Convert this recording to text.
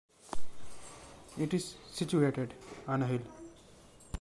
It is situated on a hill.